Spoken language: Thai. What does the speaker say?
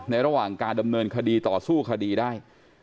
ระหว่างการดำเนินคดีต่อสู้คดีได้